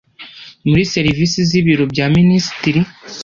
muri Serivisi z Ibiro bya Minisitiri